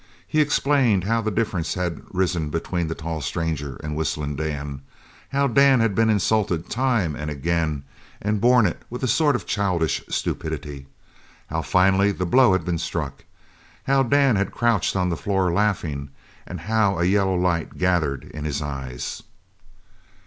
He explained how the difference had risen between the tall stranger and Whistling Dan. How Dan had been insulted time and again and borne it with a sort of childish stupidity. How finally the blow had been struck. How Dan had crouched on the floor, laughing, and how a yellow light gathered in his eyes.